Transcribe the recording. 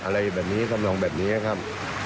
อะไรแบบนี้ทำนองแบบนี้ครับ